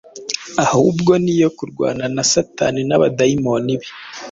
ahubwo ni iyo kurwana na Satani n’abadayimoni be.